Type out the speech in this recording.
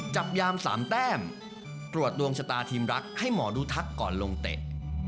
จับยาม๓แต้มตรวจดวงชะตาทีมรักให้หมอดูทักก่อนลงเตะ